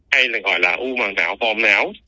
hay là gọi là u bằng não bom não